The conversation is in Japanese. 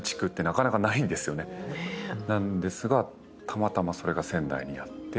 ですが、たまたまそれが仙台にあって。